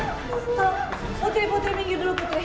bu putri putri minggu dulu putri